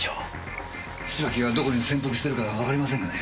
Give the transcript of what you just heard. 芝木がどこに潜伏してるかわかりませんかね。